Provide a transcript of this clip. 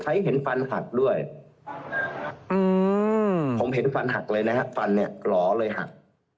เห็นฟันหักด้วยผมเห็นฟันหักเลยนะฮะฟันเนี่ยหล่อเลยหัก